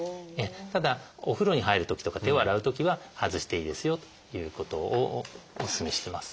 ただお風呂に入るときとか手を洗うときは外していいですよということをおすすめしてます。